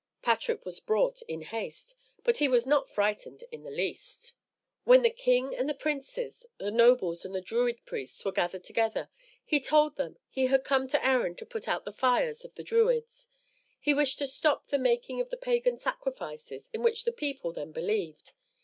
Patrick was brought in haste, but he was not frightened in the least. When the king and the princes, the nobles and the Druid priests were gathered together, he told them he had come to Erin to put out the fires of the Druids. He wished to stop the making of the pagan sacrifices in which the people then believed.